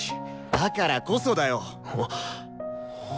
だからこそだよ！